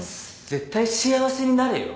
絶対幸せになれよ。